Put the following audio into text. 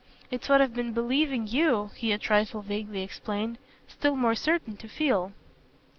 It's what I've been believing you," he a trifle vaguely explained, "still more certain to feel."